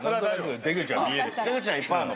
出口はいっぱいあるの？